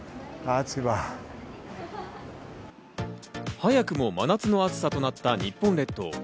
早くも真夏の暑さとなった日本列島。